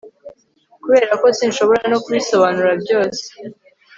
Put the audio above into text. kuberako sinshobora no kubisobanura byose